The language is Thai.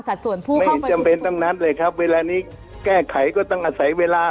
ไม่จำเป็นต้องนัดเลยครับเวลานี้แก้ไขก็ต้องอาศัยเวลา